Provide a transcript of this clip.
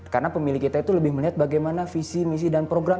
karena pemilih kita itu lebih melihat bagaimana visi misi dan program